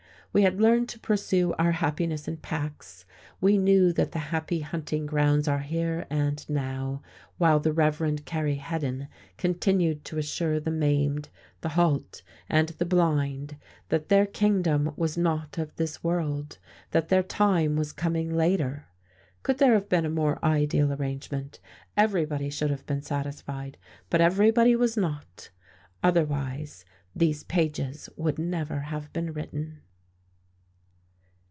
We had learned to pursue our happiness in packs, we knew that the Happy Hunting Grounds are here and now, while the Reverend Carey Heddon continued to assure the maimed, the halt and the blind that their kingdom was not of this world, that their time was coming later. Could there have been a more idyl arrangement! Everybody should have been satisfied, but everybody was not. Otherwise these pages would never have been written.